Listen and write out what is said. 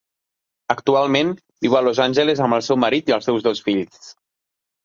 Actualment viu a Los Angeles amb el seu marit i els seus dos fills.